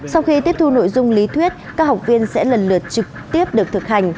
sau khi tiếp thu nội dung lý thuyết các học viên sẽ lần lượt trực tiếp được thực hành